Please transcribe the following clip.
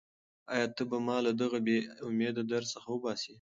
ایا ته به ما له دغه بېامیده درد څخه وباسې؟